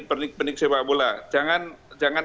peniksa peniksa pabula jangan